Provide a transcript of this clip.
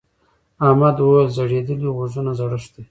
احمد وويل: ځړېدلي غوږونه زړښت دی.